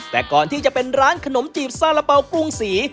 แต่ก่อนที่จะเป็นร้านขนมจีบซาระเป๋ากุ้งสี